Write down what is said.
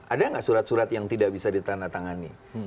ada nggak surat surat yang tidak bisa ditandatangani